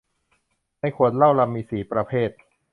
ในขวดมีเหล้ารัมสี่ประเภท